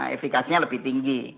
efekasinya lebih tinggi